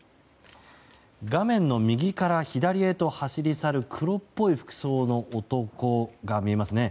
画面の右から左へと走り去る黒っぽい服装の男が見えますね。